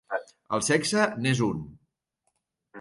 El sexe n'és un.